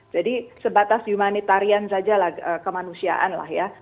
jadi sebatas humanitarian saja lah kemanusiaan lah ya